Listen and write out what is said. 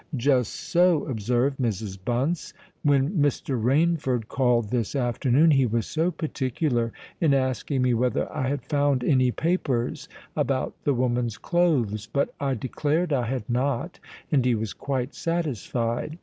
"Just so," observed Mrs. Bunce. "When Mr. Rainford called this afternoon he was so particular in asking me whether I had found any papers about the woman's clothes; but I declared I had not—and he was quite satisfied.